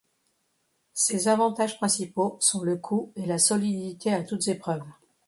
Ses avantages principaux sont le coût et la solidité à toutes épreuves.